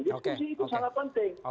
diskusi itu sangat penting